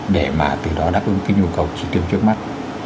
để mà từ đó đáp ứng cái nhu cầu chỉ tiêu trước mắt